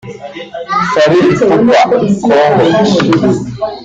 Fally Ipupa[Congo]